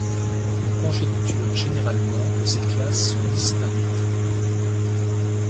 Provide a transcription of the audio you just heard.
On conjecture généralement que ces classes sont distinctes.